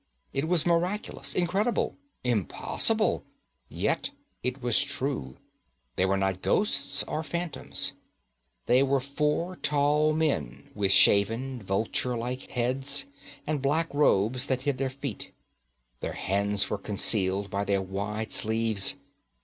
It was miraculous, incredible, impossible, yet it was true. They were not ghosts or phantoms. They were four tall men, with shaven, vulture like heads, and black robes that hid their feet. Their hands were concealed by their wide sleeves.